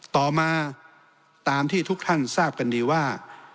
ต่อมาตามที่ทุกท่านทราบกันดีว่า